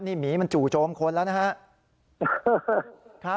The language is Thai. นี่หมีมันจู่โจมคนแล้วนะครับ